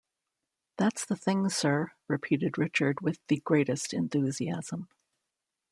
"That's the thing, sir," repeated Richard with the greatest enthusiasm.